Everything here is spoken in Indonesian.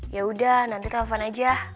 yaudah nanti telfon aja